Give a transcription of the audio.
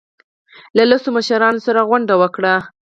له لسو مشرانو سره غونډه وکړه.